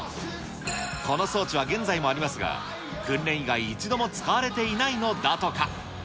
この装置は現在もありますが、訓練以外、一度も使われていないのだとか。